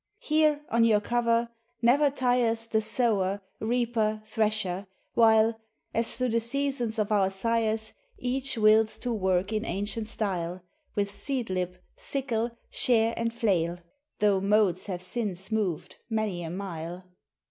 —Here, on your cover, never tires The sower, reaper, thresher, while As through the seasons of our sires Each wills to work in ancient style With seedlip, sickle, share and flail, Though modes have since moved many a mile!